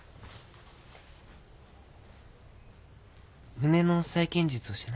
胸の再建術をしない？